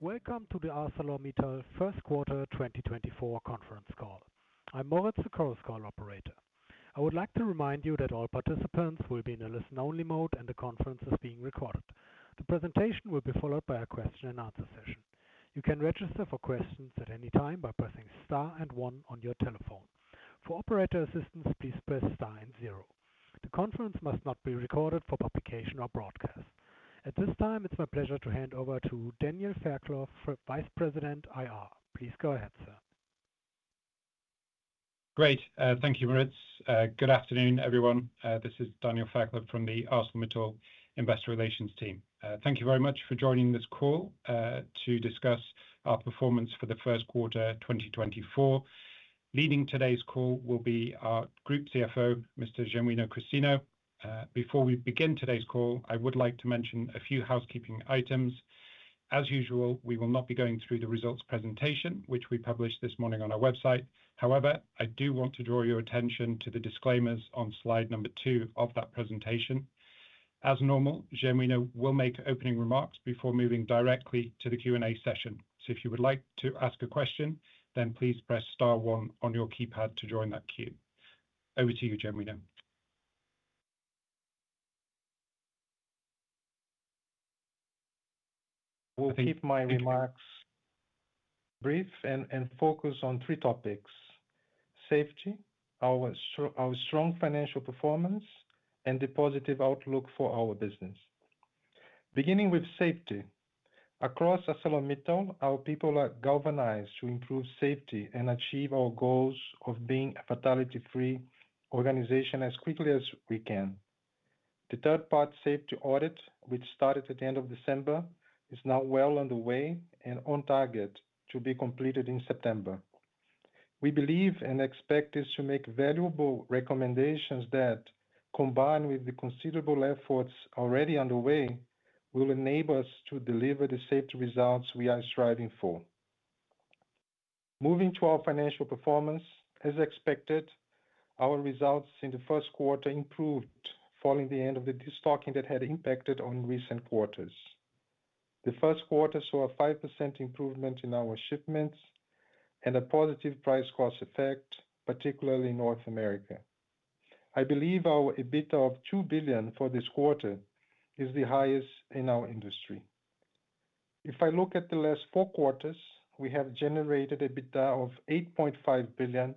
Welcome to the ArcelorMittal first quarter 2024 conference call. I'm Moritz, the conference call operator. I would like to remind you that all participants will be in a listen-only mode, and the conference is being recorded. The presentation will be followed by a question-and-answer session. You can register for questions at any time by pressing star and one on your telephone. For operator assistance, please press star and zero. The conference must not be recorded for publication or broadcast. At this time, it's my pleasure to hand over to Daniel Fairclough, Vice President, IR. Please go ahead, sir. Great. Thank you, Moritz. Good afternoon, everyone. This is Daniel Fairclough from the ArcelorMittal Investor Relations team. Thank you very much for joining this call to discuss our performance for the first quarter 2024. Leading today's call will be our Group CFO, Mr. Genuino Christino. Before we begin today's call, I would like to mention a few housekeeping items. As usual, we will not be going through the results presentation, which we published this morning on our website. However, I do want to draw your attention to the disclaimers on slide number 2 of that presentation. As normal, Genuino will make opening remarks before moving directly to the Q&A session. So if you would like to ask a question, then please press star one on your keypad to join that queue. Over to you, Genuino. will keep my remarks brief and focus on three topics: safety, our strong financial performance, and the positive outlook for our business. Beginning with safety. Across ArcelorMittal, our people are galvanized to improve safety and achieve our goals of being a fatality-free organization as quickly as we can. The third-party safety audit, which started at the end of December, is now well underway and on target to be completed in September. We believe and expect this to make valuable recommendations that, combined with the considerable efforts already underway, will enable us to deliver the safety results we are striving for. Moving to our financial performance. As expected, our results in the first quarter improved, following the end of the destocking that had impacted on recent quarters. The first quarter saw a 5% improvement in our shipments and a positive price cost effect, particularly in North America. I believe our EBITDA of $2 billion for this quarter is the highest in our industry. If I look at the last four quarters, we have generated EBITDA of $8.5 billion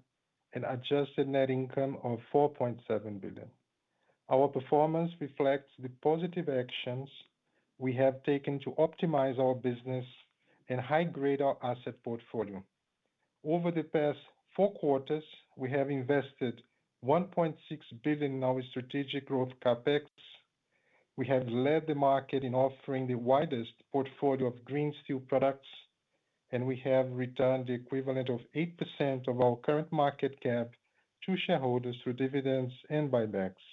and adjusted net income of $4.7 billion. Our performance reflects the positive actions we have taken to optimize our business and high-grade our asset portfolio. Over the past four quarters, we have invested $1.6 billion in our strategic growth CapEx. We have led the market in offering the widest portfolio of green steel products, and we have returned the equivalent of 8% of our current market cap to shareholders through dividends and buybacks.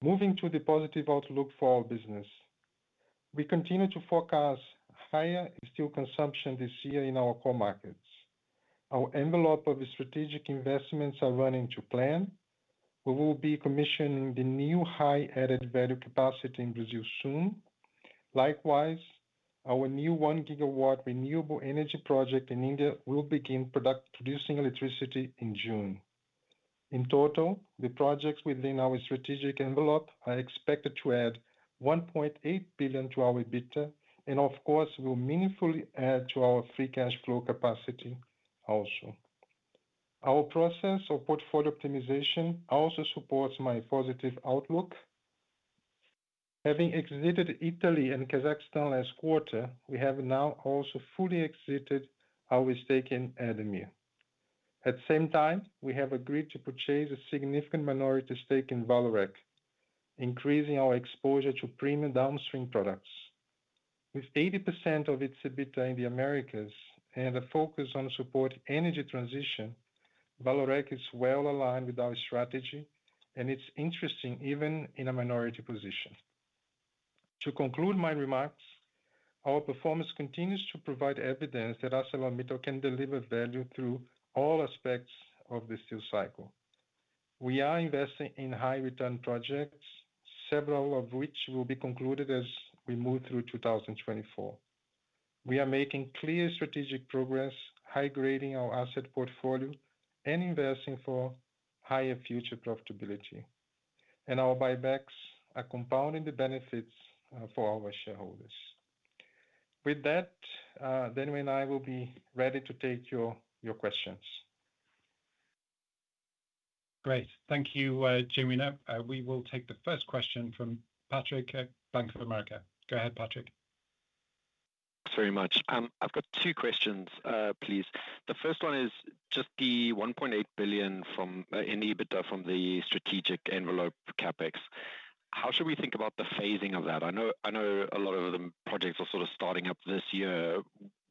Moving to the positive outlook for our business. We continue to forecast higher steel consumption this year in our core markets. Our envelope of strategic investments are running to plan. We will be commissioning the new high added value capacity in Brazil soon. Likewise, our new 1 GW renewable energy project in India will begin production-producing electricity in June. In total, the projects within our strategic envelope are expected to add $1.8 billion to our EBITDA, and of course, will meaningfully add to our free cash flow capacity also. Our process of portfolio optimization also supports my positive outlook. Having exited Italy and Kazakhstan last quarter, we have now also fully exited our stake in ArcelorMittal. At the same time, we have agreed to purchase a significant minority stake in Vallourec, increasing our exposure to premium downstream products. With 80% of its EBITDA in the Americas and a focus on supporting energy transition, Vallourec is well aligned with our strategy, and it's interesting even in a minority position. To conclude my remarks, our performance continues to provide evidence that ArcelorMittal can deliver value through all aspects of the steel cycle. We are investing in high return projects, several of which will be concluded as we move through 2024. We are making clear strategic progress, high-grading our asset portfolio, and investing for higher future profitability, and our buybacks are compounding the benefits for our shareholders. With that, Daniel and I will be ready to take your questions. Great. Thank you, Genuino. We will take the first question from Patrick at Bank of America. Go ahead, Patrick. Thanks very much. I've got two questions, please. The first one is just the $1.8 billion from in EBITDA from the strategic envelope CapEx. How should we think about the phasing of that? I know, I know a lot of the projects are sort of starting up this year.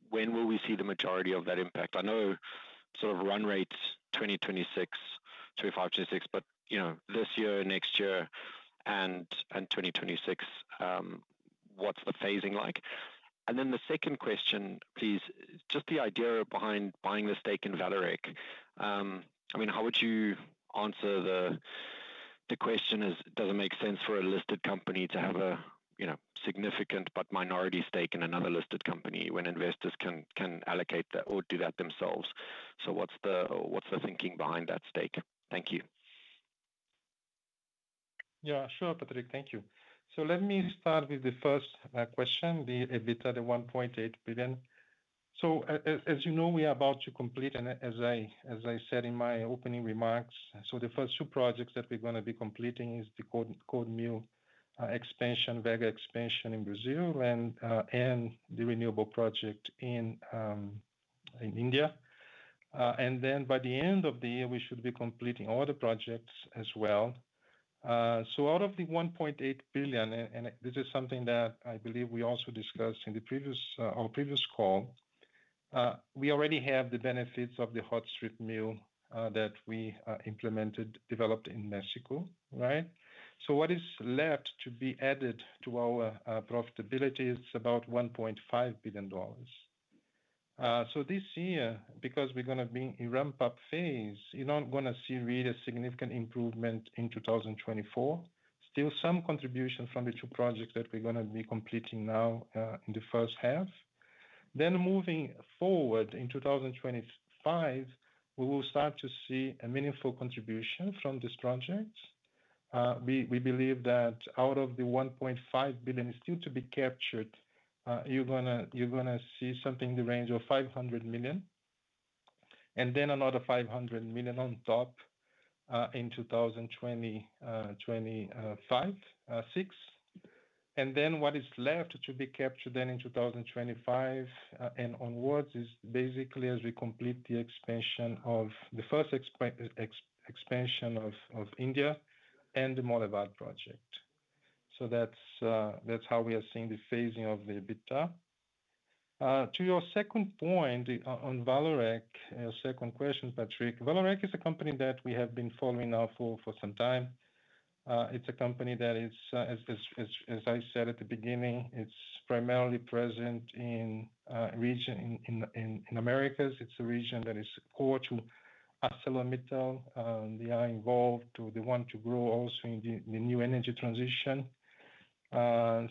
When will we see the majority of that impact? I know sort of run rates, 2026, 25, 26, but, you know, this year, next year, and, and 2026, what's the phasing like? And then the second question, please, just the idea behind buying the stake in Vallourec. I mean, how would you answer the-The question is, does it make sense for a listed company to have a, you know, significant but minority stake in another listed company when investors can allocate that or do that themselves? So what's the thinking behind that stake? Thank you. Yeah, sure, Patrick. Thank you. So let me start with the first question, the EBITDA, the $1.8 billion. So as you know, we are about to complete and as I said in my opening remarks, so the first two projects that we're gonna be completing is the cold mill expansion, Vega expansion in Brazil and the renewable project in India. And then by the end of the year, we should be completing all the projects as well. So out of the $1.8 billion, and this is something that I believe we also discussed in the previous, our previous call. We already have the benefits of the hot strip mill that we implemented, developed in Mexico, right? So what is left to be added to our profitability is about $1.5 billion. This year, because we're gonna be in ramp-up phase, you're not gonna see really a significant improvement in 2024. Still some contribution from the two projects that we're gonna be completing now in the first half. Then moving forward in 2025, we will start to see a meaningful contribution from these projects. We believe that out of the $1.5 billion still to be captured, you're gonna see something in the range of $500 million, and then another $500 million on top in 2025-2026. What is left to be captured then in 2025 and onwards is basically as we complete the expansion of the first expansion of India and the Monlevade project. So that's how we are seeing the phasing of the EBITDA. To your second point on Vallourec, your second question, Patrick. Vallourec is a company that we have been following now for some time. It's a company that is, as I said at the beginning, it's primarily present in the region in the Americas. It's a region that is core to ArcelorMittal, and they are involved. They want to grow also in the new energy transition.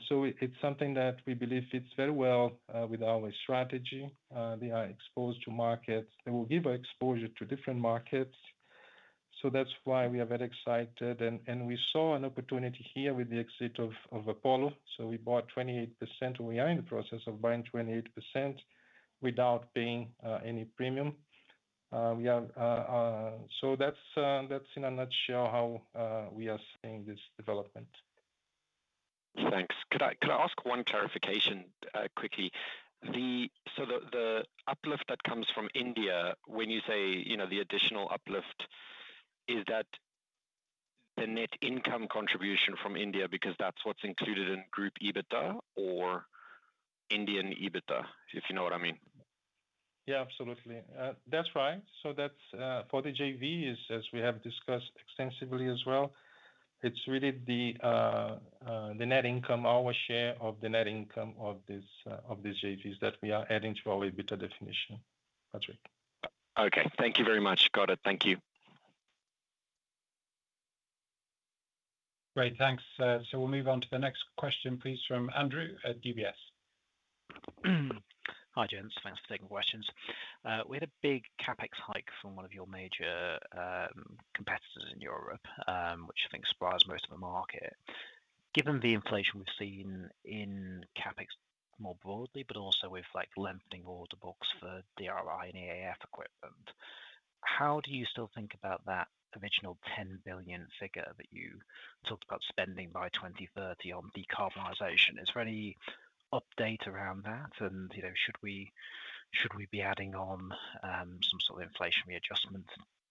So it's something that we believe fits very well with our strategy. They are exposed to markets. They will give exposure to different markets. So that's why we are very excited, and we saw an opportunity here with the exit of Apollo. So we bought 28%, and we are in the process of buying 28% without paying any premium. So that's in a nutshell, how we are seeing this development. Thanks. Could I ask one clarification quickly? So the uplift that comes from India, when you say, you know, the additional uplift, is that the net income contribution from India, because that's what's included in group EBITDA or Indian EBITDA? If you know what I mean. Yeah, absolutely. That's right. So that's for the JV, as we have discussed extensively as well, it's really the net income, our share of the net income of these JVs that we are adding to our EBITDA definition, Patrick. Okay. Thank you very much. Got it. Thank you. Great, thanks. So we'll move on to the next question, please, from Andrew at UBS. Hi, gents. Thanks for taking questions. We had a big CapEx hike from one of your major competitors in Europe, which I think surprised most of the market. Given the inflation we've seen in CapEx more broadly, but also with like lengthening order books for DRI and EAF equipment, how do you still think about that original $10 billion figure that you talked about spending by 2030 on decarbonization? Is there any update around that? And, you know, should we, should we be adding on, some sort of inflationary adjustment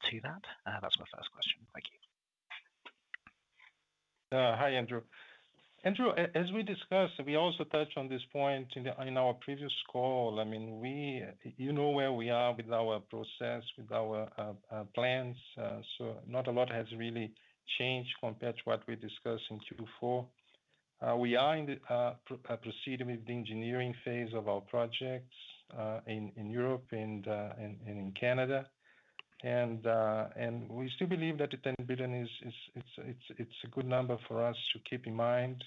to that? That's my first question. Thank you. Hi, Andrew. Andrew, as we discussed, we also touched on this point in our previous call. I mean, we—you know where we are with our process, with our plans, so not a lot has really changed compared to what we discussed in Q4. We are proceeding with the engineering phase of our projects in Europe and in Canada. We still believe that the $10 billion is a good number for us to keep in mind.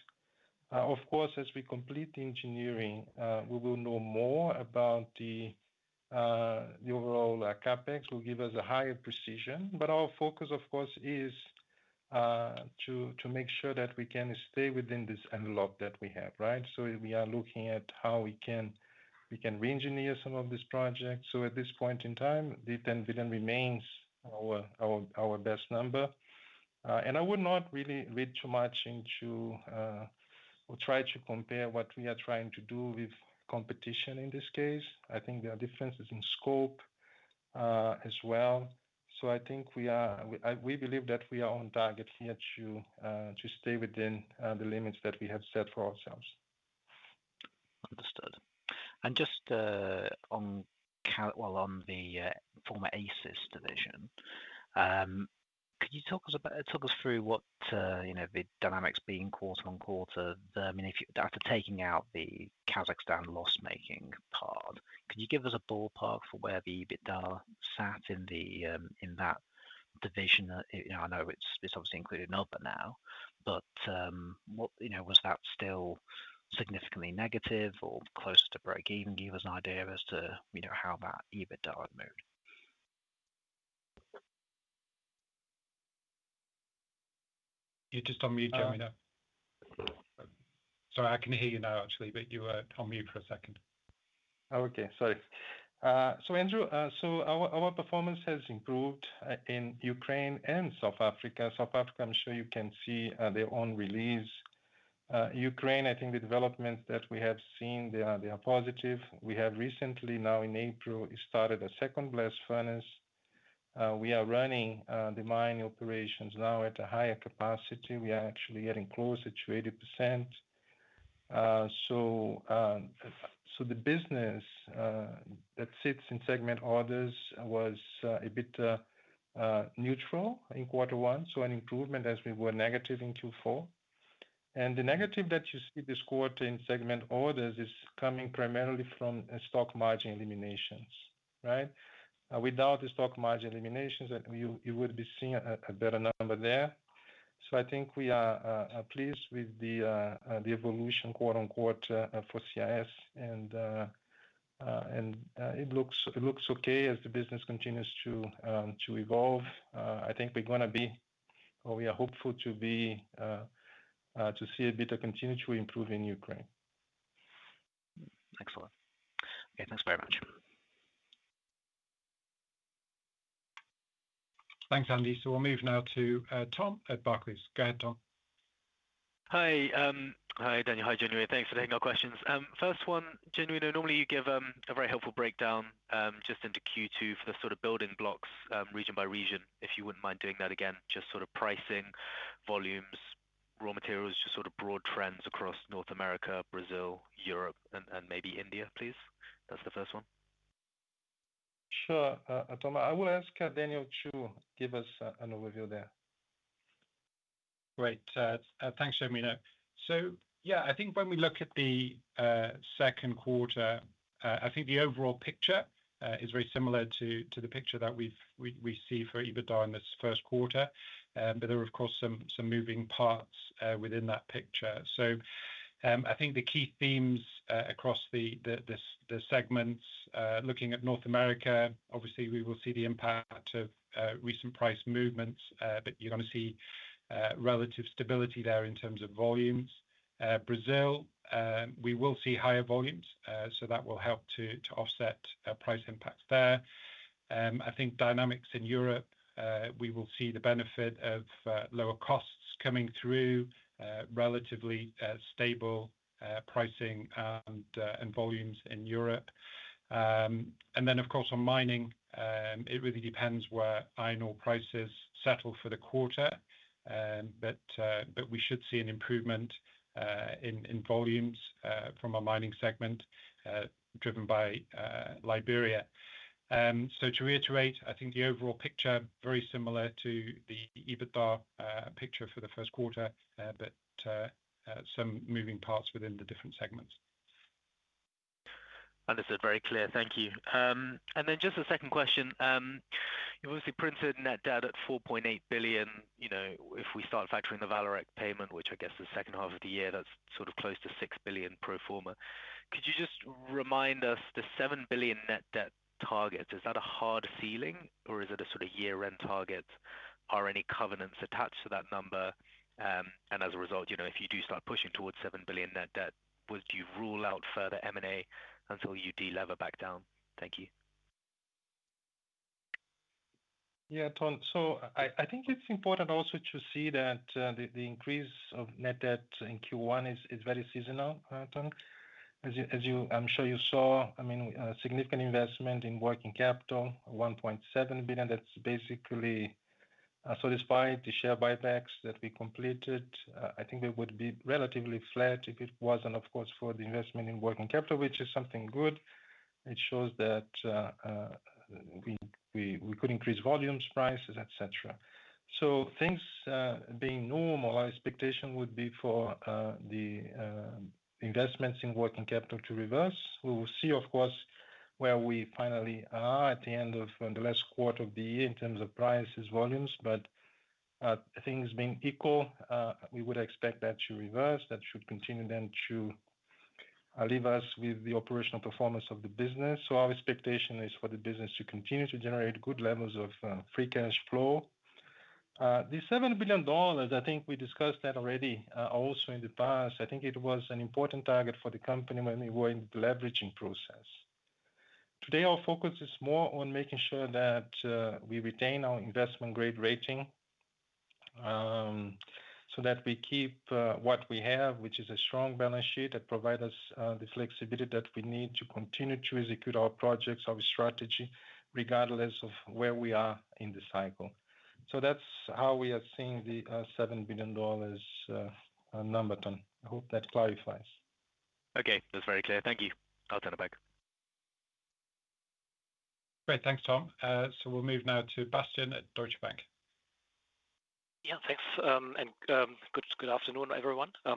Of course, as we complete the engineering, we will know more about the overall CapEx, will give us a higher precision. But our focus, of course, is to make sure that we can stay within this envelope that we have, right? So we are looking at how we can reengineer some of this project. So at this point in time, the $10 billion remains our best number. And I would not really read too much into, or try to compare what we are trying to do with competition in this case. I think there are differences in scope, as well. So I think we are. We believe that we are on target here to stay within the limits that we have set for ourselves. Understood. Just on the former ACIS division, could you talk us through what, you know, the dynamics being quarter on quarter? I mean, after taking out the Kazakhstan loss-making part, could you give us a ballpark for where the EBITDA sat in that division? You know, I know it's, it's obviously included in Others now, but, what, you know, was that still significantly negative or close to breakeven? Give us an idea as to, you know, how that EBITDA are made? You're just on mute, Genuino. Sorry, I can hear you now, actually, but you were on mute for a second. Okay. Sorry. So Andrew, so our performance has improved in Ukraine and South Africa. South Africa, I'm sure you can see their own release. Ukraine, I think the developments that we have seen, they are positive. We have recently, now in April, started a second blast furnace. We are running the mining operations now at a higher capacity. We are actually getting closer to 80%. So the business that sits in segment orders was a bit neutral in quarter one, so an improvement as we were negative in Q4. And the negative that you see this quarter in segment orders is coming primarily from stock margin eliminations, right? Without the stock margin eliminations, you would be seeing a better number there. So I think we are pleased with the evolution, quote unquote, for CIS and it looks okay as the business continues to evolve. I think we're gonna be, or we are hopeful to be, to see EBITDA continue to improve in Ukraine. Excellent. Okay, thanks very much. Thanks, Andy. So we'll move now to Tom at Barclays. Go ahead, Tom. Hi, hi, Daniel. Hi, Genuino. Thanks for taking our questions. First one, Genuino, normally you give a very helpful breakdown just into Q2 for the sort of building blocks region by region. If you wouldn't mind doing that again, just sort of pricing, volumes, raw materials, just sort of broad trends across North America, Brazil, Europe, and, and maybe India, please. That's the first one. Sure. Tom, I will ask Daniel to give us an overview there. Great. Thanks, Genuino. So yeah, I think when we look at the second quarter, I think the overall picture is very similar to the picture that we see for EBITDA in this first quarter. But there are, of course, some moving parts within that picture. So, I think the key themes across the segments, looking at North America, obviously we will see the impact of recent price movements, but you're gonna see relative stability there in terms of volumes. Brazil, we will see higher volumes, so that will help to offset price impacts there. I think dynamics in Europe, we will see the benefit of lower costs coming through, relatively stable pricing and volumes in Europe. And then, of course, on mining, it really depends where iron ore prices settle for the quarter. But we should see an improvement in volumes from our mining segment, driven by Liberia. So to reiterate, I think the overall picture, very similar to the EBITDA picture for the first quarter, but some moving parts within the different segments. Understood. Very clear. Thank you. And then just a second question. You obviously printed net debt at $4.8 billion. You know, if we start factoring the Vallourec payment, which I guess is second half of the year, that's sort of close to $6 billion pro forma. Could you just remind us, the $7 billion net debt target, is that a hard ceiling or is it a sort of year-end target? Are any covenants attached to that number? And as a result, you know, if you do start pushing towards $7 billion net debt, would you rule out further M&A until you de-lever back down? Thank you. Yeah, Tom. So I think it's important also to see that the increase of net debt in Q1 is very seasonal, Tom. As you, as you, I'm sure you saw, I mean, a significant investment in working capital, $1.7 billion. That's basically so despite the share buybacks that we completed, I think it would be relatively flat if it wasn't, of course, for the investment in working capital, which is something good. It shows that we could increase volumes, prices, et cetera. So things being normal, our expectation would be for the investments in working capital to reverse. We will see, of course, where we finally are at the end of the last quarter of the year in terms of prices, volumes, but things being equal, we would expect that to reverse. That should continue then to leave us with the operational performance of the business. So our expectation is for the business to continue to generate good levels of free cash flow. The $7 billion, I think we discussed that already, also in the past. I think it was an important target for the company when we were in the leveraging process. Today, our focus is more on making sure that we retain our investment-grade rating, so that we keep what we have, which is a strong balance sheet that provide us the flexibility that we need to continue to execute our projects, our strategy, regardless of where we are in the cycle. So that's how we are seeing the $7 billion number, Tom. I hope that clarifies. Okay, that's very clear. Thank you. I'll turn it back. Great. Thanks, Tom. So we'll move now to Bastian at Deutsche Bank. Yeah, thanks, and, good, good afternoon, everyone. So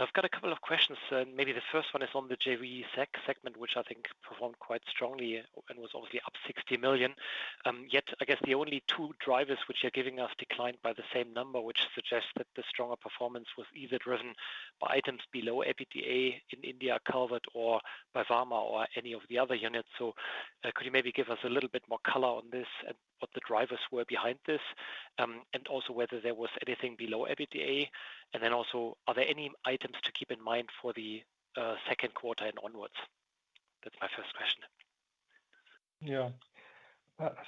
I've got a couple of questions. Maybe the first one is on the JV segment, which I think performed quite strongly and was obviously up $60 million. Yet, I guess the only two drivers which are giving us decline by the same number, which suggests that the stronger performance was either driven by items below EBITDA in India, Calvert or by VAMA or any of the other units. So, could you maybe give us a little bit more color on this and what the drivers were behind this? And also whether there was anything below EBITDA. And then also, are there any items to keep in mind for the second quarter and onwards? That's my first question. Yeah.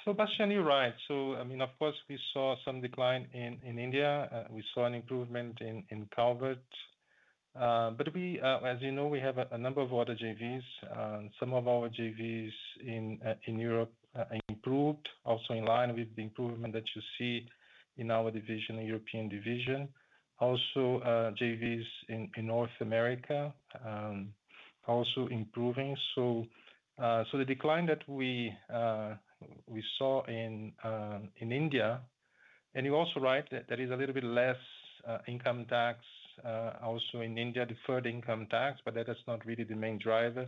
So Bastian, you're right. So I mean, of course, we saw some decline in India. We saw an improvement in Calvert. But we, as you know, we have a number of other JVs, and some of our JVs in Europe improved, also in line with the improvement that you see in our division, in European division. Also, JVs in North America also improving. So, the decline that we saw in India... And you're also right, that there is a little bit less income tax also in India, deferred income tax, but that is not really the main driver.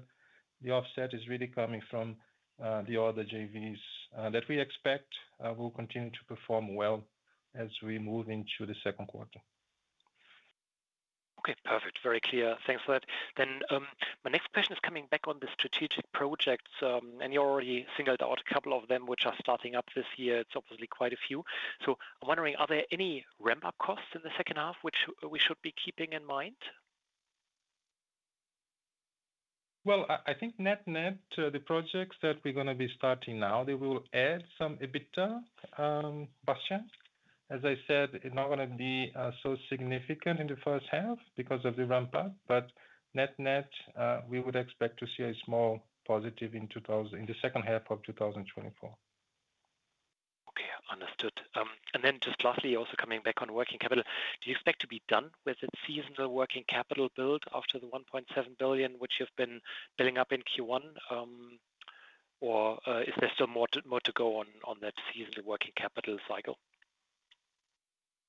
The offset is really coming from the other JVs that we expect will continue to perform well as we move into the second quarter. Okay, perfect. Very clear. Thanks for that. Then, my next question is coming back on the strategic projects. And you already singled out a couple of them, which are starting up this year. It's obviously quite a few. So I'm wondering, are there any ramp-up costs in the second half, which we should be keeping in mind? Well, I think net-net, the projects that we're gonna be starting now, they will add some EBITDA, Bastian. As I said, it's not gonna be so significant in the first half because of the ramp-up, but net-net, we would expect to see a small positive in the second half of 2024. Okay, understood. And then just lastly, also coming back on working capital, do you expect to be done with the seasonal working capital build after the $1.7 billion, which you've been building up in Q1? Or is there still more to go on that seasonal working capital cycle?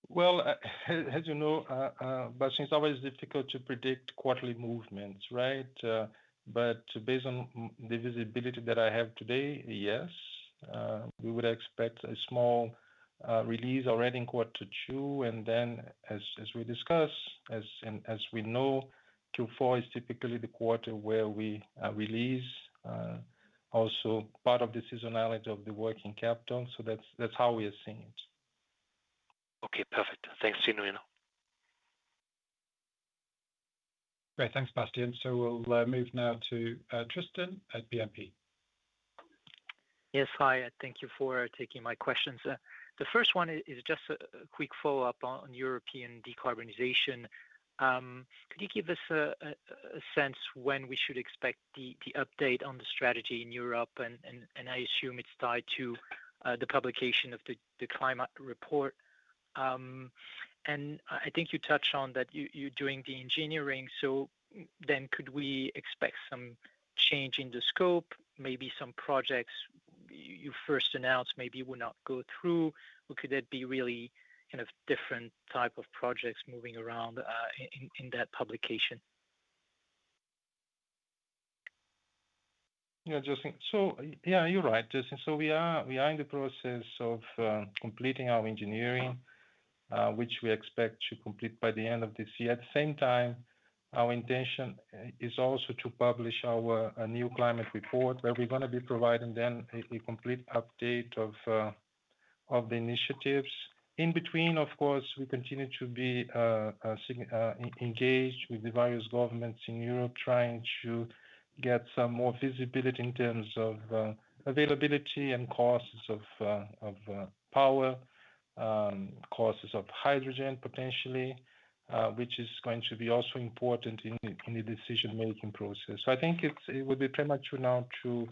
Well, as, as you know, Bastian, it's always difficult to predict quarterly movements, right? But based on the visibility that I have today, yes, we would expect a small release already in quarter two. And then as, as we discuss, as and as we know, Q4 is typically the quarter where we release also part of the seasonality of the working capital. So that's, that's how we are seeing it. Okay, perfect. Thanks, Gino, you know. Great. Thanks, Bastian. So we'll move now to Tristan at BNP. Yes. Hi, thank you for taking my questions. The first one is just a quick follow-up on European decarbonization. Could you give us a sense when we should expect the update on the strategy in Europe? And I assume it's tied to the publication of the climate report. And I think you touched on that you're doing the engineering, so then could we expect some change in the scope, maybe some projects you first announced maybe will not go through, or could that be really kind of different type of projects moving around in that publication? Yeah, Justin. So yeah, you're right, Justin. So we are in the process of completing our engineering, which we expect to complete by the end of this year. At the same time, our intention is also to publish our new climate report, where we're gonna be providing them a complete update of the initiatives. In between, of course, we continue to be engaged with the various governments in Europe, trying to get some more visibility in terms of availability and costs of power, costs of hydrogen, potentially, which is going to be also important in the decision-making process. So I think it would be premature now to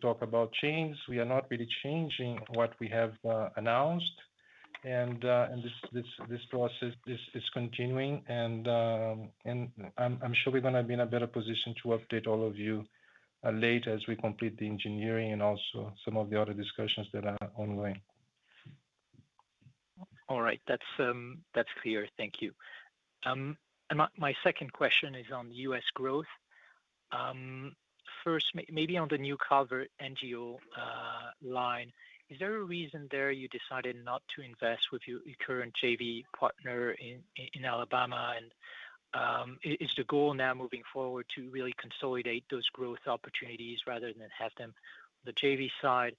talk about change. We are not really changing what we have announced. And this process is continuing, and I'm sure we're gonna be in a better position to update all of you later as we complete the engineering and also some of the other discussions that are ongoing. All right. That's clear. Thank you. And my second question is on U.S. growth. First, maybe on the new Calvert NGO line, is there a reason there you decided not to invest with your current JV partner in Alabama? And is the goal now moving forward to really consolidate those growth opportunities rather than have them on the JV side?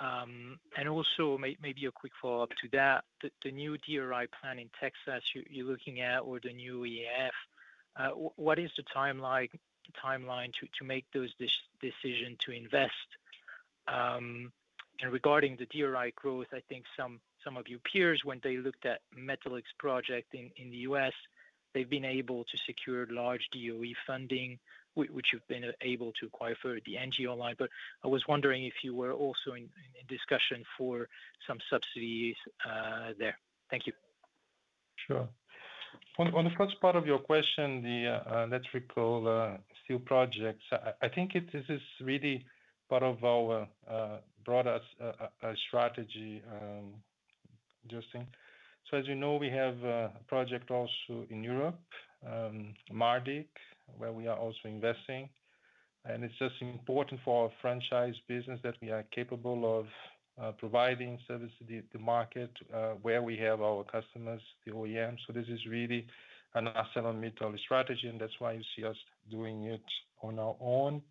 And also maybe a quick follow-up to that, the new DRI plant in Texas you're looking at, or the new EAF, what is the timeline to make those decisions to invest? Regarding the DRI growth, I think some of your peers, when they looked at Metallics project in the U.S., they've been able to secure large DOE funding, which you've been able to acquire for the NGO line. But I was wondering if you were also in discussion for some subsidies there. Thank you. Sure. On the first part of your question, the electrical steel projects, I think this is really part of our broader strategy, Justin. So as you know, we have a project also in Europe, Mardyck, where we are also investing. And it's just important for our franchise business that we are capable of providing services to the market where we have our customers, the OEMs. So this is really an ArcelorMittal strategy, and that's why you see us doing it on our own.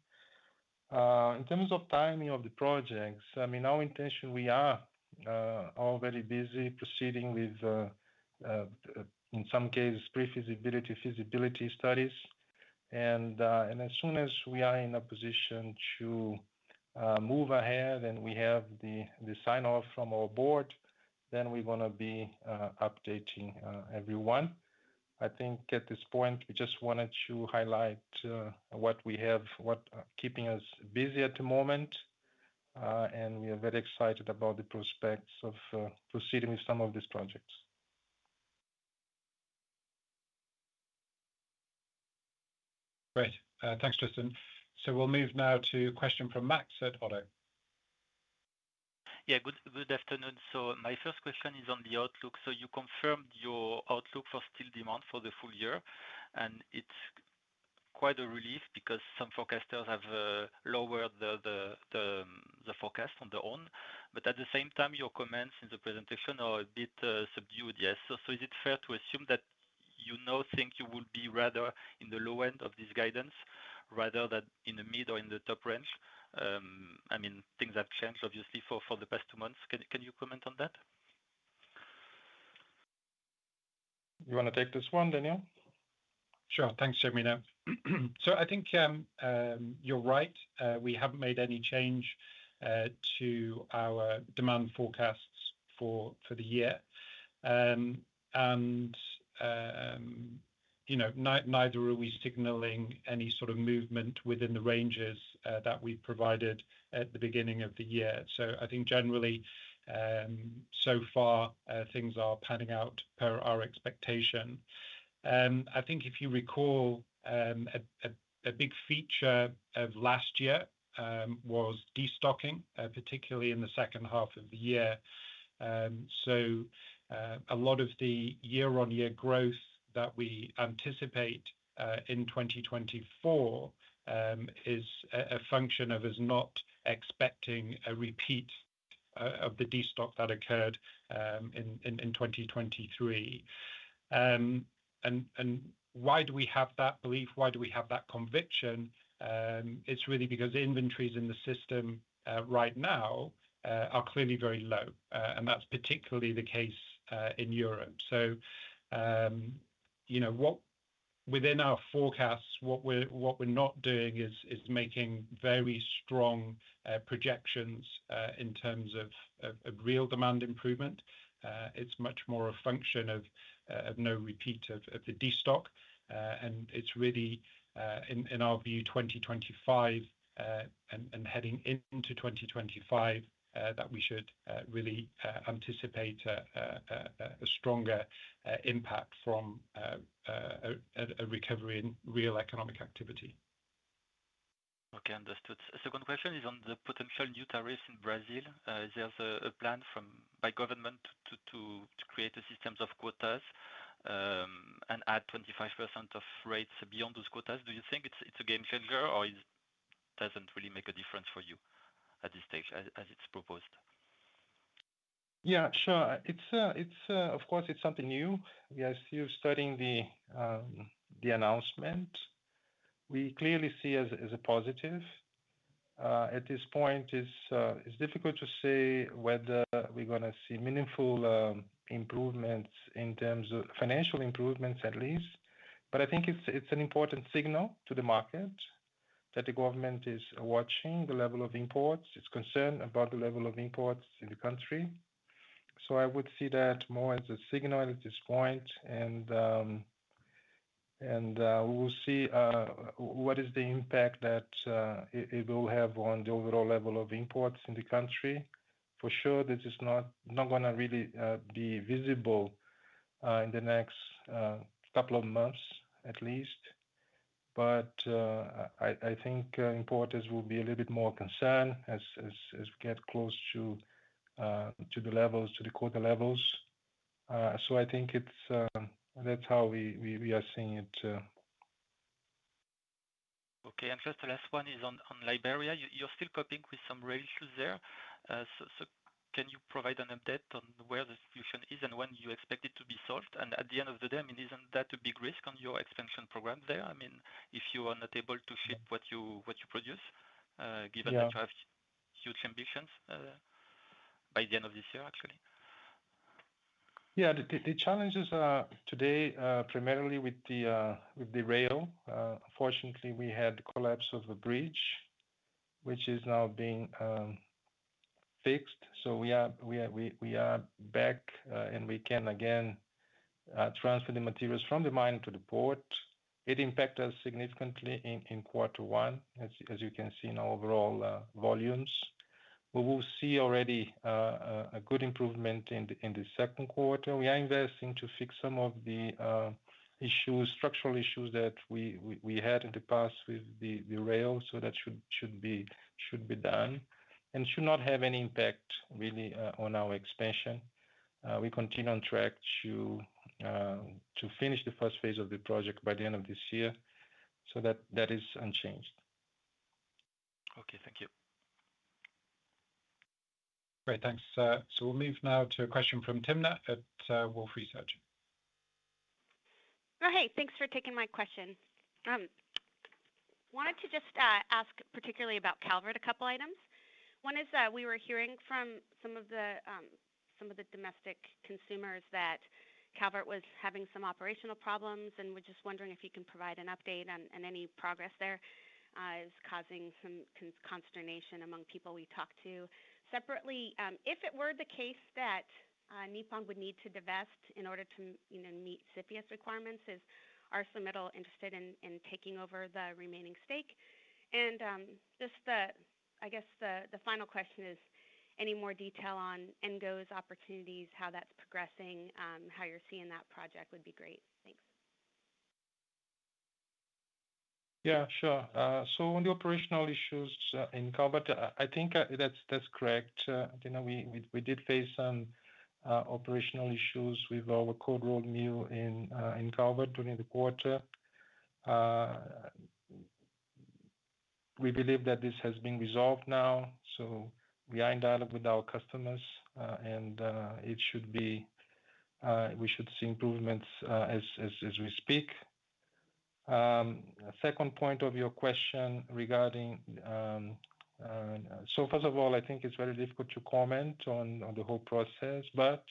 In terms of timing of the projects, I mean, our intention, we are all very busy proceeding with in some cases, pre-feasibility, feasibility studies. As soon as we are in a position to move ahead and we have the sign-off from our board, then we're gonna be updating everyone. I think at this point, we just wanted to highlight what we have keeping us busy at the moment. And we are very excited about the prospects of proceeding with some of these projects. Great. Thanks, Justin. So we'll move now to a question from Max at Oddo. Yeah, good afternoon. So my first question is on the outlook. So you confirmed your outlook for steel demand for the full year, and it's quite a relief because some forecasters have lowered the forecast on their own. But at the same time, your comments in the presentation are a bit subdued. Yes, so is it fair to assume that you now think you will be rather in the low end of this guidance, rather than in the mid or in the top range? I mean, things have changed, obviously, for the past two months. Can you comment on that? You wanna take this one, Daniel? Sure. Thanks, Hermino. So I think you're right. We haven't made any change to our demand forecasts for the year. And you know, neither are we signaling any sort of movement within the ranges that we provided at the beginning of the year. So I think generally, so far, things are panning out per our expectation. I think if you recall, a big feature of last year was destocking, particularly in the second half of the year. So, a lot of the year-on-year growth that we anticipate in 2024 is a function of us not expecting a repeat of the destock that occurred in 2023. And why do we have that belief? Why do we have that conviction? It's really because the inventories in the system right now are clearly very low, and that's particularly the case in Europe. So, you know, within our forecasts, what we're not doing is making very strong projections in terms of a real demand improvement. It's much more a function of no repeat of the destocking. And it's really, in our view, 2025 and heading into 2025 that we should really anticipate a stronger impact from a recovery in real economic activity. Okay, understood. Second question is on the potential new tariffs in Brazil. There's a plan by the government to create a system of quotas and add 25% rates beyond those quotas. Do you think it's a game changer, or it doesn't really make a difference for you at this stage, as it's proposed? Yeah, sure. It's... Of course, it's something new. We are still studying the announcement. We clearly see as a positive. At this point, it's difficult to say whether we're gonna see meaningful improvements in terms of financial improvements, at least. But I think it's an important signal to the market that the government is watching the level of imports. It's concerned about the level of imports in the country. So I would see that more as a signal at this point, and we'll see what is the impact that it will have on the overall level of imports in the country. For sure, this is not gonna really be visible in the next couple of months, at least. But I think importers will be a little bit more concerned as we get close to the levels, to the quota levels. So I think that's how we are seeing it. Okay, and just the last one is on Liberia. You're still coping with some rail issues there. So, can you provide an update on where the solution is and when you expect it to be solved? And at the end of the day, I mean, isn't that a big risk on your expansion program there? I mean, if you are not able to ship what you produce? Yeah ..given that you have huge ambitions by the end of this year, actually. Yeah, the challenges are today primarily with the rail. Unfortunately, we had collapse of a bridge, which is now being fixed. So we are back, and we can again transfer the materials from the mine to the port. It impact us significantly in quarter one, as you can see in our overall volumes. We will see already a good improvement in the second quarter. We are investing to fix some of the issues, structural issues that we had in the past with the rail, so that should be done, and should not have any impact really on our expansion. We continue on track to finish the first phase of the project by the end of this year. So that is unchanged. Okay. Thank you. Great, thanks, so we'll move now to a question from Timna at Wolfe Research. Oh, hey, thanks for taking my question. Wanted to just ask particularly about Calvert, a couple items. One is that we were hearing from some of the domestic consumers that Calvert was having some operational problems, and we're just wondering if you can provide an update on, and any progress there, is causing some consternation among people we talk to. Separately, if it were the case that Nippon would need to divest in order to, you know, meet CFIUS requirements, is ArcelorMittal interested in taking over the remaining stake? And just the, I guess the final question is, any more detail on NGO opportunities, how that's progressing, how you're seeing that project would be great. Thanks. Yeah, sure. So on the operational issues in Calvert, I think that's correct. You know, we did face some operational issues with our cold rolled mill in Calvert during the quarter. We believe that this has been resolved now, so we are in dialogue with our customers, and it should be, we should see improvements as we speak. Second point of your question regarding... So first of all, I think it's very difficult to comment on the whole process, but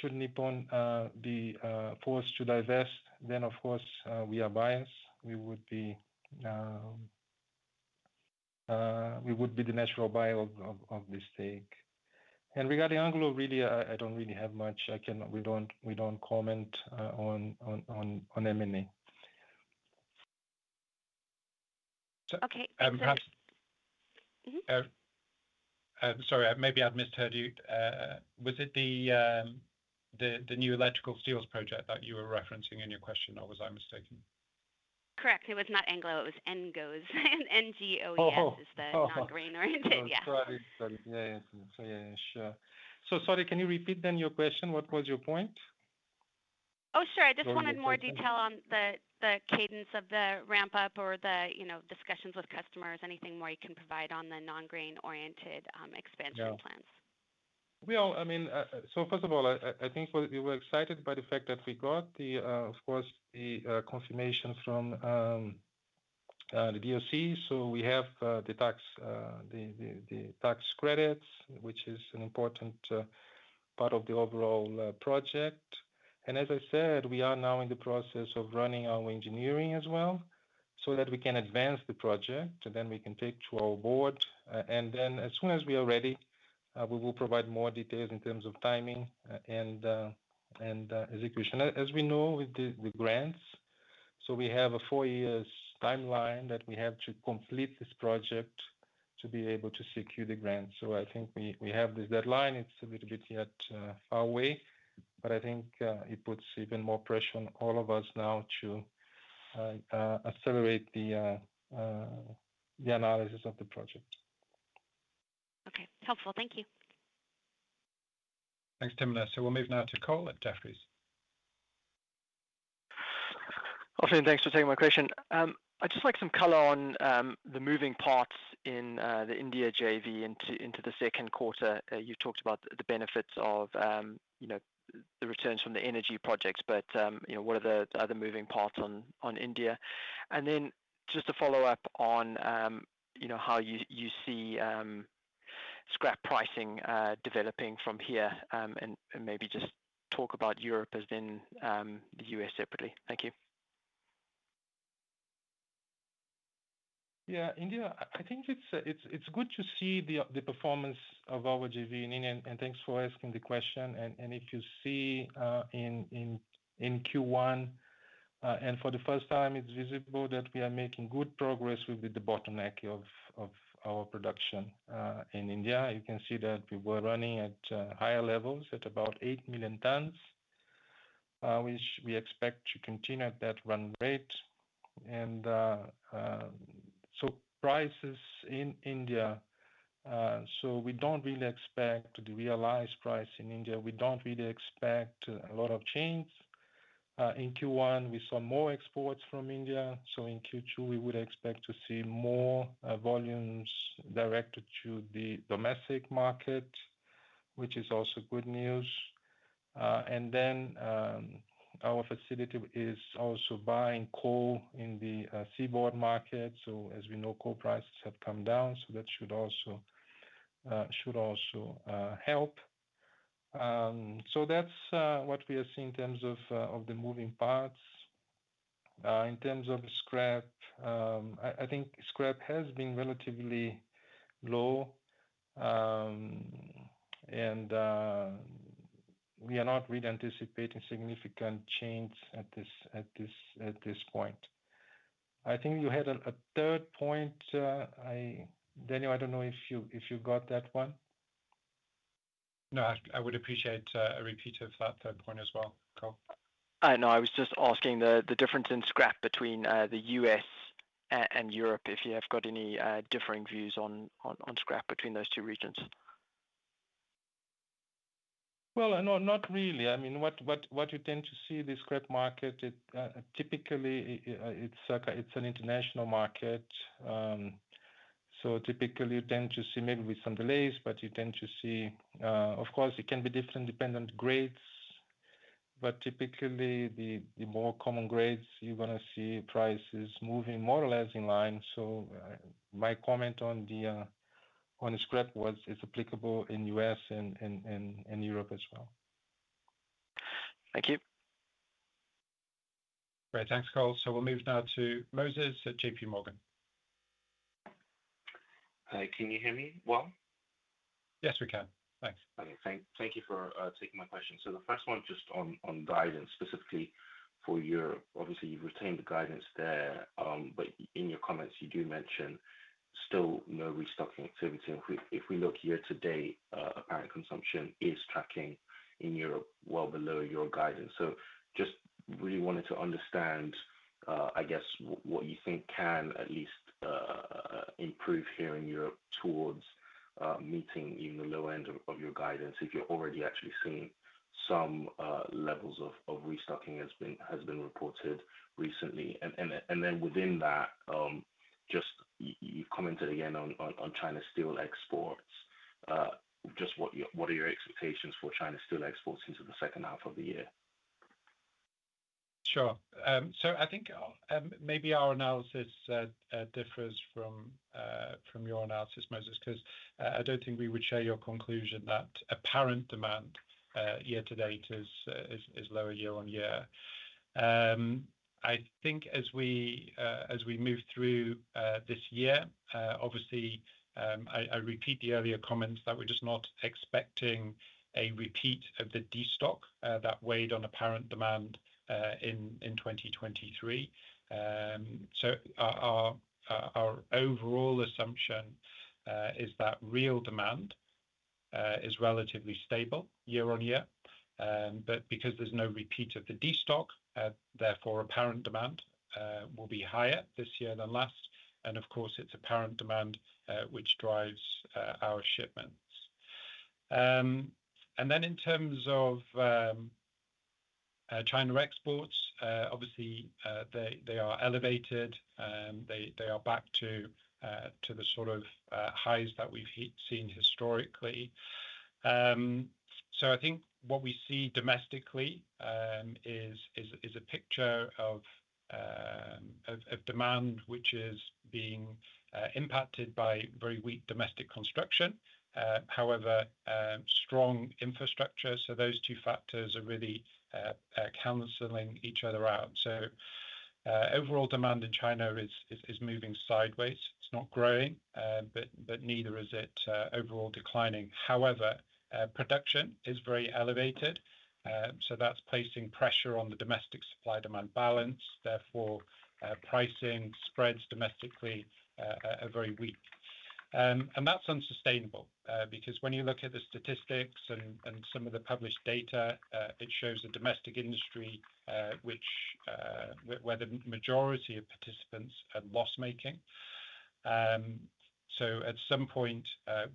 should Nippon be forced to divest, then of course, we are buyers. We would be the natural buyer of this stake. And regarding NGO, really, I don't really have much. We don't, we don't comment on M&A. Okay, so- Um, perhaps- Mm-hmm? Sorry, maybe I misheard you. Was it the new electrical steels project that you were referencing in your question, or was I mistaken? Correct. It was not Anglo, it was NGO. NGO- Oh, oh! Is the non-grain-oriented? Yeah. Got it. Yeah. Yeah, sure. So sorry, can you repeat then your question? What was your point? Oh, sure. I just wanted more detail on the cadence of the ramp-up or the, you know, discussions with customers. Anything more you can provide on the non-grain-oriented expansion plans? Yeah. We all, I mean, so first of all, I think we were excited by the fact that we got the, of course, the confirmation from the DOE. So we have the tax credits, which is an important part of the overall project. And as I said, we are now in the process of running our engineering as well, so that we can advance the project, and then we can take to our board. And then as soon as we are ready, we will provide more details in terms of timing, and execution. As we know with the grants, so we have a four years timeline that we have to complete this project to be able to secure the grants. So I think we have this deadline. It's a little bit yet far away, but I think it puts even more pressure on all of us now to the analysis of the project. Okay. Helpful. Thank you. Thanks, Timna. We'll move now to Cole at Jefferies. Hi, and thanks for taking my question. I'd just like some color on the moving parts in the India JV into the second quarter. You talked about the benefits of, you know, the returns from the energy projects, but, you know, what are the other moving parts on India? And then, just to follow up on, you know, how you see scrap pricing developing from here, and maybe just talk about Europe as in the US separately. Thank you. Yeah. India, I think it's good to see the performance of our JV in India, and thanks for asking the question. And if you see in Q1 and for the first time, it's visible that we are making good progress with the bottleneck of our production. In India, you can see that we were running at higher levels at about 8 million tons, which we expect to continue at that run rate. And so prices in India, so we don't really expect the realized price in India, we don't really expect a lot of change. In Q1, we saw more exports from India, so in Q2 we would expect to see more volumes directed to the domestic market, which is also good news. And then, our facility is also buying coal in the seaborne market. So as we know, coal prices have come down, so that should also help. So that's what we are seeing in terms of the moving parts. In terms of scrap, I think scrap has been relatively low and we are not really anticipating significant change at this point. I think you had a third point, Daniel. I don't know if you got that one? No, I would appreciate a repeat of that third point as well. Cole? No, I was just asking the difference in scrap between the US and Europe, if you have got any differing views on scrap between those two regions. Well, no, not really. I mean, what you tend to see, the scrap market, it typically, it's an international market. So typically, you tend to see maybe with some delays, but you tend to see. Of course, it can be different depending on grades, but typically the more common grades, you're gonna see prices moving more or less in line. So, my comment on the scrap was, is applicable in U.S. and Europe as well. Thank you. Great. Thanks, Cole. So we'll move now to Moses at J.P. Morgan. Can you hear me well? Yes, we can. Thanks. Okay. Thank you for taking my question. So the first one, just on guidance, specifically for Europe. Obviously, you've retained the guidance there, but in your comments, you do mention still no restocking activity. And if we look year to date, apparent consumption is tracking in Europe, well below your guidance. So just really wanted to understand, I guess, what you think can at least improve here in Europe towards meeting even the low end of your guidance, if you're already actually seeing some levels of restocking, as has been reported recently. And then within that, just you commented again on China steel exports. Just what are your expectations for China steel exports into the second half of the year? Sure. So I think maybe our analysis differs from your analysis, Moses, 'cause I don't think we would share your conclusion that apparent demand year to date is lower year on year. I think as we move through this year, obviously, I repeat the earlier comments that we're just not expecting a repeat of the destock that weighed on apparent demand in 2023. So our overall assumption is that real demand is relatively stable year on year. But because there's no repeat of the destock, therefore, apparent demand will be higher this year than last, and of course, it's apparent demand which drives our shipments. And then in terms of China exports, obviously, they are elevated. They are back to the sort of highs that we've seen historically. So I think what we see domestically is a picture of demand, which is being impacted by very weak domestic construction, however, strong infrastructure. So those two factors are really cancelling each other out. So overall demand in China is moving sideways. It's not growing, but neither is it overall declining. However, production is very elevated, so that's placing pressure on the domestic supply-demand balance, therefore, pricing spreads domestically are very weak. That's unsustainable because when you look at the statistics and some of the published data, it shows a domestic industry where the majority of participants are loss-making. So at some point,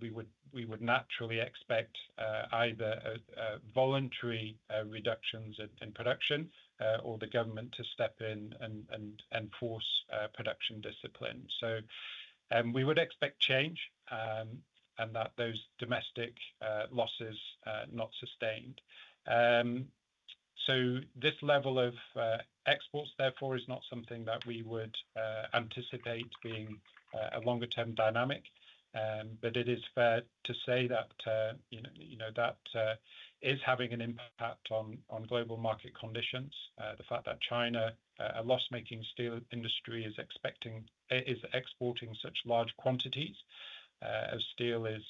we would naturally expect either a voluntary reductions in production or the government to step in and force production discipline. So we would expect change and that those domestic losses not sustained. So this level of exports, therefore, is not something that we would anticipate being a longer-term dynamic. But it is fair to say that you know, you know, that is having an impact on global market conditions. The fact that China, a loss-making steel industry, is exporting such large quantities of steel, is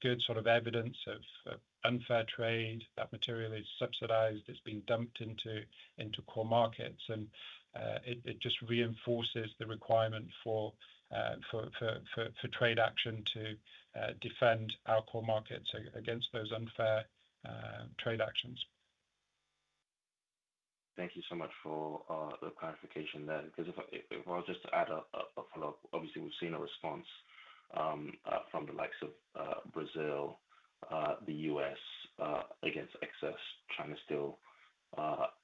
good sort of evidence of unfair trade. That material is subsidized. It's been dumped into core markets, and it just reinforces the requirement for trade action to defend our core markets against those unfair trade actions. Thank you so much for the clarification then, 'cause if I... If I was just to add a follow-up, obviously, we've seen a response from the likes of Brazil, the US, against excess China steel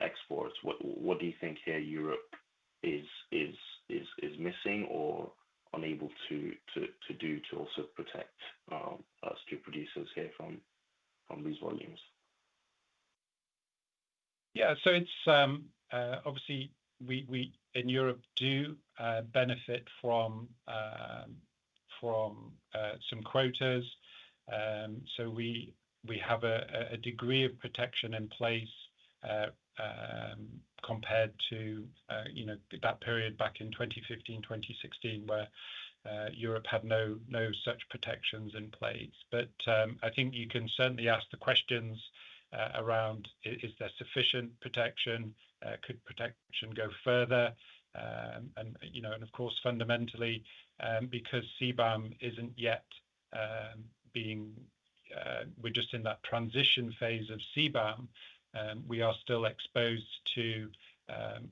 exports. What do you think here Europe is missing or unable to do to also protect steel producers here from these volumes? Yeah. So it's obviously we in Europe do benefit from some quotas. So we have a degree of protection in place compared to you know that period back in 2015, 2016, where Europe had no such protections in place. But I think you can certainly ask the questions around is there sufficient protection? Could protection go further? And you know and of course fundamentally because CBAM isn't yet being we're just in that transition phase of CBAM we are still exposed to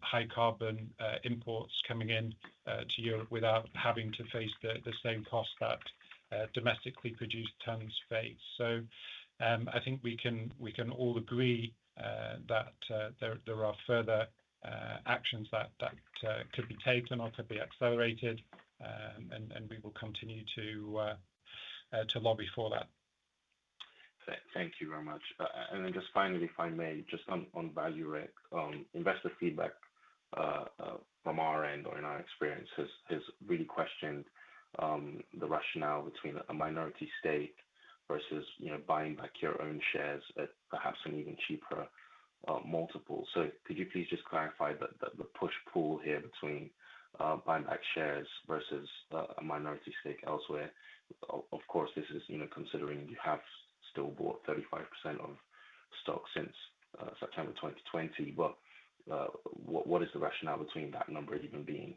high carbon imports coming in to Europe without having to face the same cost that domestically produced tonnes face. I think we can all agree that there are further actions that could be taken or could be accelerated. We will continue to lobby for that. Thank you very much. And then just finally, if I may, just on Vallourec, investor feedback from our end or in our experience has really questioned the rationale between a minority stake versus, you know, buying back your own shares at perhaps an even cheaper multiple. So could you please just clarify the push-pull here between buying back shares versus a minority stake elsewhere? Of course, this is, you know, considering you have still bought 35% of stock since September 2020. But what is the rationale between that number even being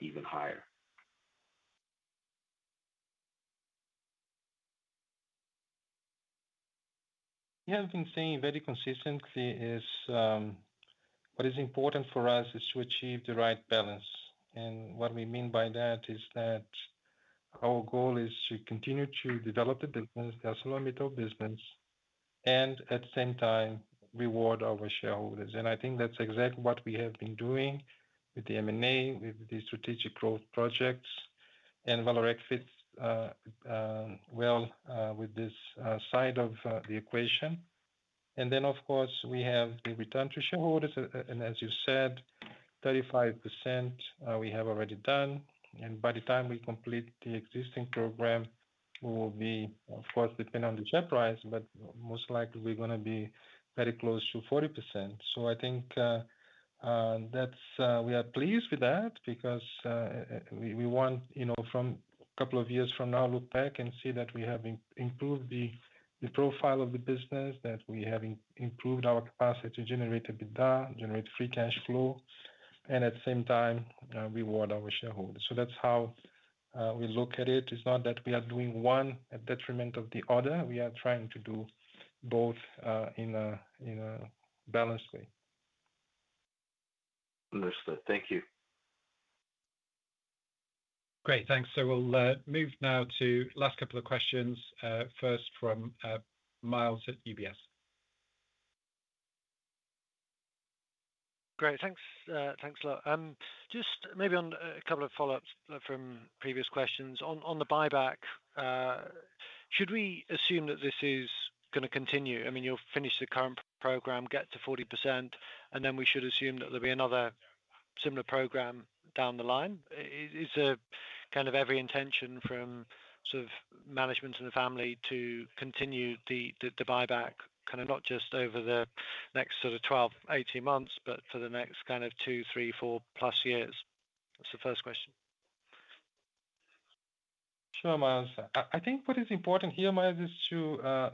even higher? We have been saying very consistently is what is important for us is to achieve the right balance. And what we mean by that is that our goal is to continue to develop the business, the ArcelorMittal business, and at the same time, reward our shareholders. And I think that's exactly what we have been doing with the M&A, with the strategic growth projects. And Vallourec fits well with this side of the equation. And then, of course, we have the return to shareholders, and as you said, 35%, we have already done, and by the time we complete the existing program, we will be, of course, depending on the share price, but most likely we're gonna be very close to 40%. So I think that's we are pleased with that because we want, you know, from a couple of years from now, look back and see that we have improved the profile of the business, that we have improved our capacity to generate EBITDA, generate free cash flow, and at the same time reward our shareholders. So that's how we look at it. It's not that we are doing one at the detriment of the other. We are trying to do both in a balanced way. Understood. Thank you. Great, thanks. So we'll move now to last couple of questions, first from Miles at UBS. Great, thanks. Thanks a lot. Just maybe on a couple of follow-ups from previous questions. On the buyback, should we assume that this is gonna continue? I mean, you'll finish the current program, get to 40%, and then we should assume that there'll be another similar program down the line. Is there kind of every intention from sort of management and the family to continue the buyback, kind of not just over the next sort of 12, 18 months, but for the next kind of 2, 3, 4+ years? That's the first question. Sure, Miles. I think what is important here, Miles, is to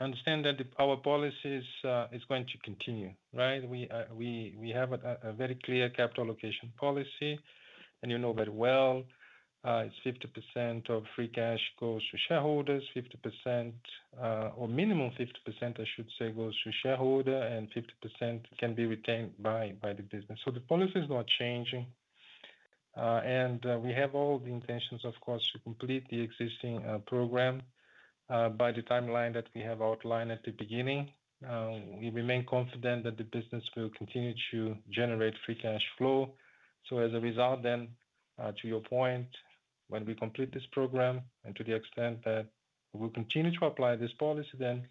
understand that our policies is going to continue, right? We have a very clear capital allocation policy, and you know very well, it's 50% of free cash goes to shareholders, 50%, or minimum 50%, I should say, goes to shareholder, and 50% can be retained by the business. So the policy is not changing. And we have all the intentions, of course, to complete the existing program by the timeline that we have outlined at the beginning. We remain confident that the business will continue to generate free cash flow. So as a result then, to your point, when we complete this program, and to the extent that we'll continue to apply this policy, then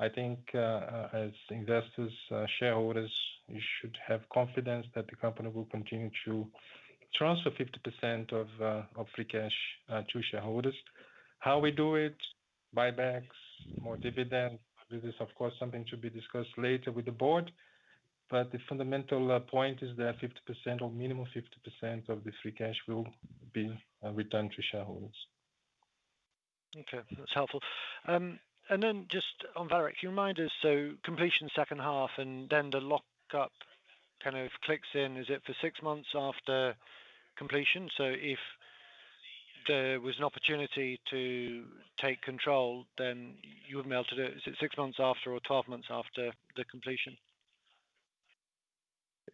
I think, as investors, shareholders, you should have confidence that the company will continue to transfer 50% of, of free cash, to shareholders. How we do it, buybacks, more dividend, this is, of course, something to be discussed later with the board, but the fundamental, point is that 50% or minimum 50% of the free cash will be, returned to shareholders. Okay, that's helpful. And then just on Vallourec, can you remind us, so completion second half, and then the lockup kind of clicks in. Is it for 6 months after completion? So if there was an opportunity to take control, then you have melted it. Is it 6 months after or 12 months after the completion?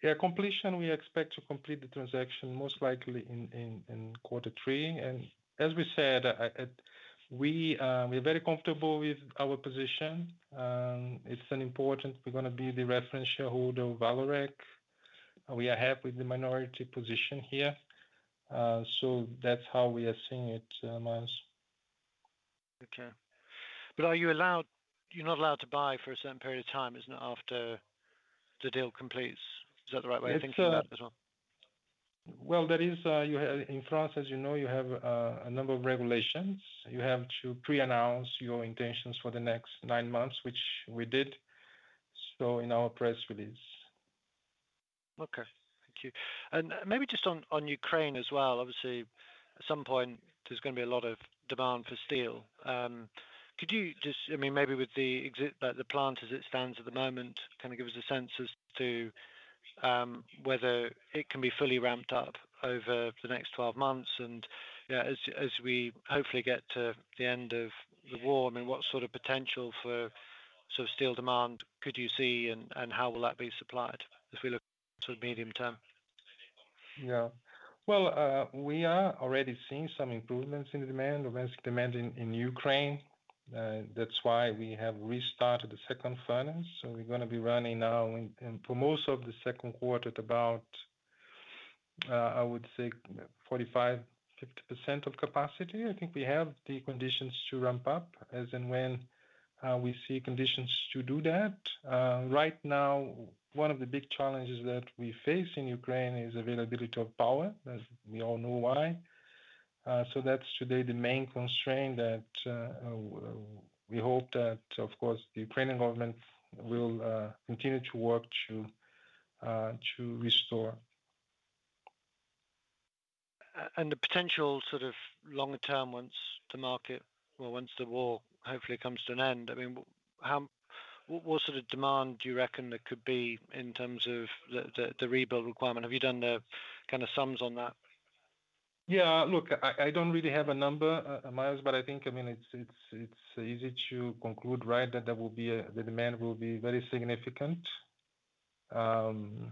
Yeah, completion, we expect to complete the transaction most likely in quarter three. And as we said, we're very comfortable with our position. It's an important, we're gonna be the reference shareholder of Vallourec. We are happy with the minority position here. So that's how we are seeing it, Miles. Okay. But are you allowed—you're not allowed to buy for a certain period of time, isn't it, after the deal completes? Is that the right way of thinking about as well?... Well, there is, you have, in France, as you know, you have, a number of regulations. You have to pre-announce your intentions for the next nine months, which we did, so in our press release. Okay, thank you. And maybe just on Ukraine as well. Obviously, at some point there's gonna be a lot of demand for steel. Could you just, I mean, maybe with the plant as it stands at the moment, kind of give us a sense as to whether it can be fully ramped up over the next 12 months? And, yeah, as we hopefully get to the end of the war, I mean, what sort of potential for sort of steel demand could you see, and how will that be supplied as we look to the medium term? Yeah. Well, we are already seeing some improvements in the demand, domestic demand in, in Ukraine. That's why we have restarted the second furnace. So we're gonna be running now and, and for most of the second quarter, at about, I would say 45%-50% of capacity. I think we have the conditions to ramp up as and when, we see conditions to do that. Right now, one of the big challenges that we face in Ukraine is availability of power, as we all know why. So that's today, the main constraint that, we hope that, of course, the Ukrainian government will, continue to work to, to restore. And the potential sort of longer term, once the market or once the war hopefully comes to an end, I mean, what sort of demand do you reckon there could be in terms of the rebuild requirement? Have you done the kind of sums on that? Yeah. Look, I don't really have a number, Miles, but I think, I mean, it's easy to conclude, right, that there will be a... The demand will be very significant. And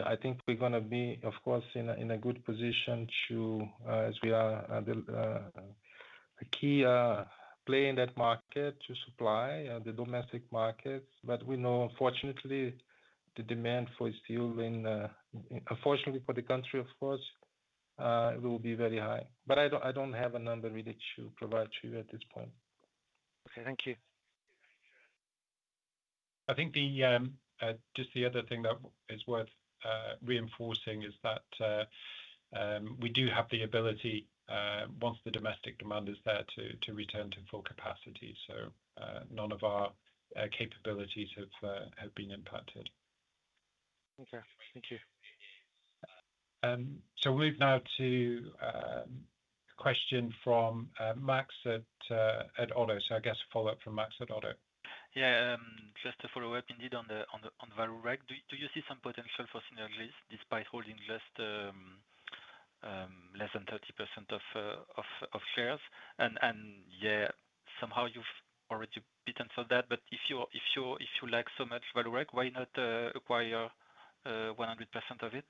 I think we're gonna be, of course, in a good position to, as we are, a key player in that market, to supply the domestic market. But we know unfortunately, the demand for steel in, unfortunately for the country, of course, will be very high. But I don't have a number really to provide to you at this point. Okay. Thank you. I think just the other thing that is worth reinforcing is that we do have the ability, once the domestic demand is there, to return to full capacity. So, none of our capabilities have been impacted. Okay. Thank you. So we move now to a question from Max at Oddo. So I guess a follow-up from Max at Oddo. Yeah, just to follow up indeed on Vallourec. Do you see some potential for synergies despite holding just less than 30% of shares? And yeah, somehow you've already bid for that. But if you like so much Vallourec, why not acquire 100% of it?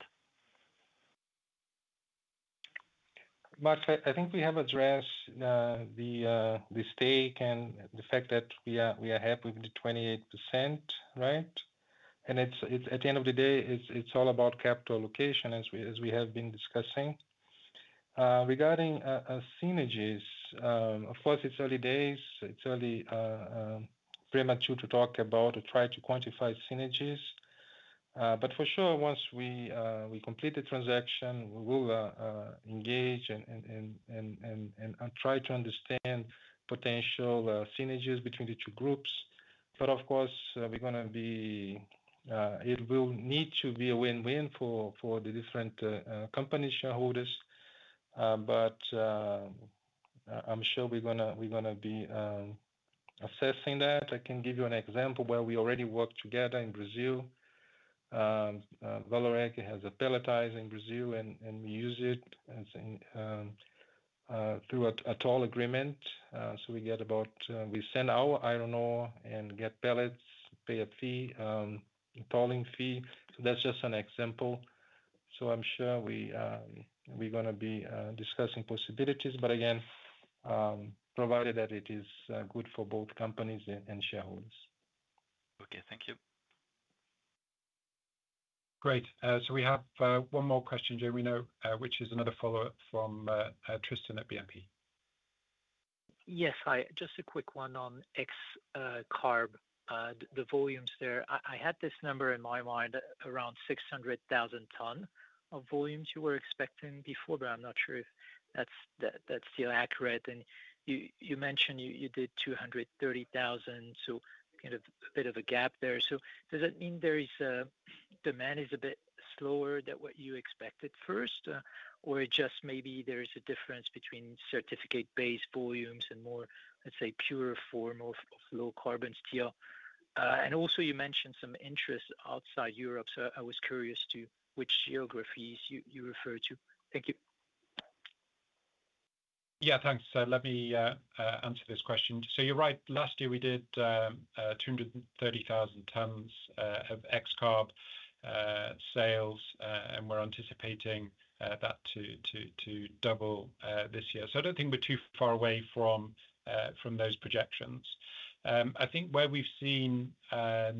Max, I think we have addressed the stake and the fact that we are happy with the 28%, right? And it's at the end of the day, it's all about capital allocation, as we have been discussing. Regarding synergies, of course, it's early days. It's early, premature to talk about or try to quantify synergies. But for sure, once we complete the transaction, we will engage and try to understand potential synergies between the two groups. But of course, we're gonna be, it will need to be a win-win for the different company shareholders. But I'm sure we're gonna be assessing that. I can give you an example where we already work together in Brazil. Vallourec has a pelletizing in Brazil, and we use it as through a toll agreement. So we get about, we send our iron ore and get pellets, pay a fee, tolling fee. So that's just an example. So I'm sure we, we're gonna be discussing possibilities. But again, provided that it is good for both companies and shareholders. Okay. Thank you. Great. So we have one more question, Moritz, which is another follow-up from Tristan at BNP. Yes, hi. Just a quick one on XCarb, the volumes there. I had this number in my mind, around 600,000 tons of volumes you were expecting before, but I'm not sure if that's still accurate. And you mentioned you did 230,000, so kind of a bit of a gap there. So does that mean there is a demand is a bit slower than what you expected first, or it just maybe there is a difference between certificate-based volumes and more, let's say, pure form of low-carbon steel? And also you mentioned some interest outside Europe, so I was curious to which geographies you refer to. Thank you. Yeah, thanks. Let me answer this question. So you're right. Last year we did 230,000 tons of XCarb sales, and we're anticipating that to double this year. So I don't think we're too far away from those projections. I think where we've seen a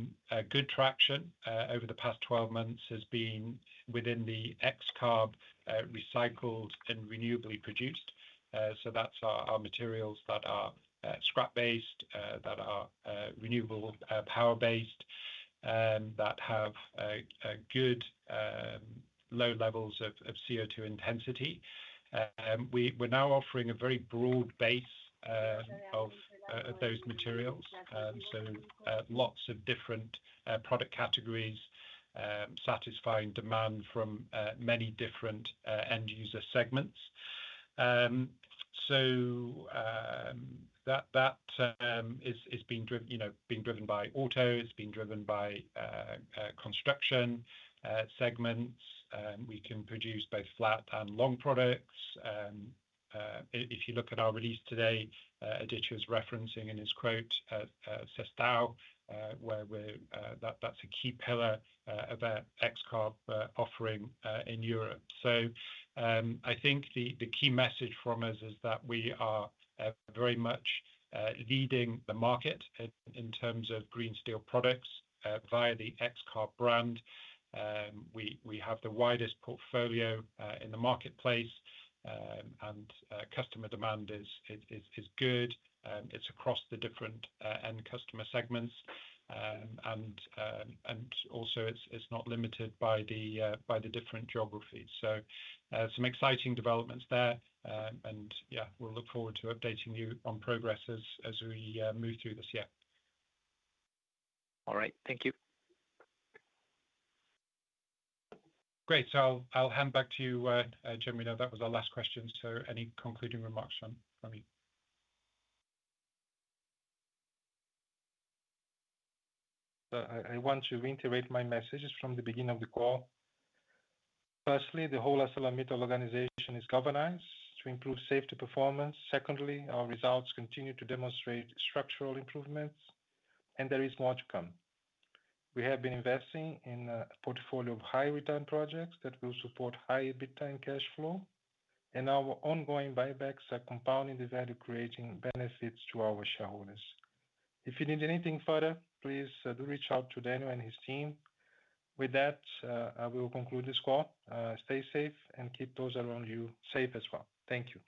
good traction over the past 12 months has been within the XCarb recycled and renewably produced. So that's our materials that are scrap-based that are renewable power-based that have a good low levels of CO2 intensity. We're now offering a very broad base of those materials. So lots of different product categories satisfying demand from many different end user segments. So, that is being driven, you know, being driven by auto, it's being driven by construction segments. We can produce both flat and long products. If you look at our release today, Aditya was referencing in his quote Sestao, where we're... That's a key pillar of our XCarb offering in Europe. So, I think the key message from us is that we are very much leading the market in terms of green steel products via the XCarb brand. We have the widest portfolio in the marketplace, and customer demand is good. It's across the different end customer segments. Also, it's not limited by the different geographies. So, some exciting developments there. And yeah, we'll look forward to updating you on progress as we move through this year. All right. Thank you. Great. So I'll hand back to you, Genuino. That was our last question, so any concluding remarks on for me? So I want to reiterate my messages from the beginning of the call. Firstly, the whole ArcelorMittal organization is galvanized to improve safety performance. Secondly, our results continue to demonstrate structural improvements, and there is more to come. We have been investing in a portfolio of high return projects that will support high EBITDA and cash flow, and our ongoing buybacks are compounding the value, creating benefits to our shareholders. If you need anything further, please, do reach out to Daniel and his team. With that, I will conclude this call. Stay safe and keep those around you safe as well. Thank you.